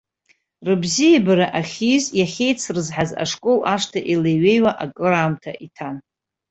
Рыбзиабара ахьиз, иахьеицрызҳаз ашкол ашҭа илеиҩеиуа акыраамҭа иҭан.